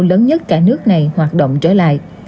lớn nhất cả nước này hoạt động trở lại